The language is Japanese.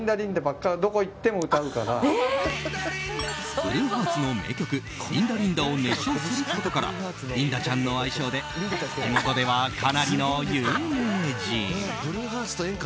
ＢＬＵＥＨＥＡＲＴＳの名曲「リンダリンダ」を熱唱することからリンダちゃんの愛称で地元ではかなりの有名人。